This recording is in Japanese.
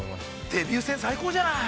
◆デビュー戦最高じゃない。